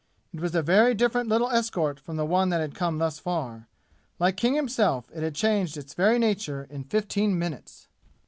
It was a very different little escort from the one that had come thus far. Like King himself, it had changed its very nature in fifteen minutes!